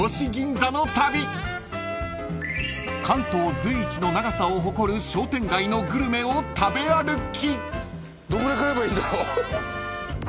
［関東随一の長さを誇る商店街のグルメを食べ歩き］